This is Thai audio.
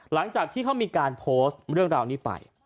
หลังจากที่เขามีการโพสต์เรื่องราวนี้ไป